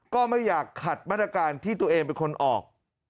ก็ไม่อยากขัดมาตรการที่ตัวเองเป็นคนออก